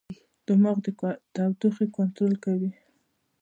دماغ د تودوخې کنټرول کوي.